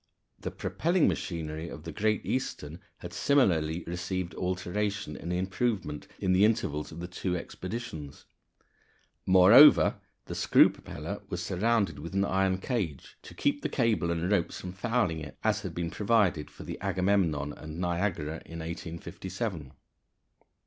The propelling machinery of the Great Eastern had similarly received alteration and improvement in the intervals of the two expeditions. Moreover, the screw propeller was surrounded with an iron cage, to keep the cable and ropes from fouling it, as had been provided for the Agamemnon and Niagara in 1857. [Illustration: FIG. 38. Buoys, Grapnels, Mushrooms and Men.